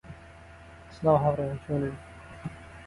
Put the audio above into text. Prominent influences included his teacher John Farquhar Fulton.